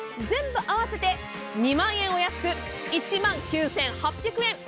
全部合わせて２万円お安く１万９８００円。